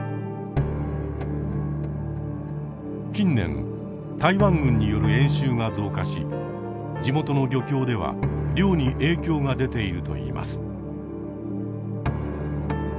近年台湾軍による演習が増加し地元の漁協では漁に影響が出ているといいます。